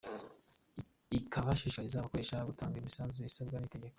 Ikaba ishishikariza abakoresha gutanga imisanzu isabwa n’itegeko.